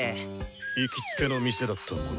行きつけの店だったもので。